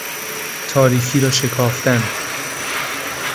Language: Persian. تاریکی را شکافتن